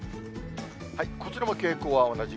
こちらも傾向は同じ。